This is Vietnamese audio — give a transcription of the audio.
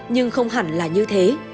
nhưng không hẳn là như thế